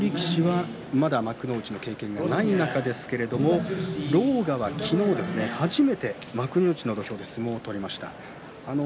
この両力士はまだ幕内の経験がない力士ですが狼雅は昨日、初めて幕内の土俵で相撲を取りました。